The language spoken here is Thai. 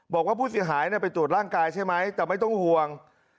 บอกว่าผู้เสียหายไปตรวจร่างกายใช่ไหมแต่ไม่ต้องห่วง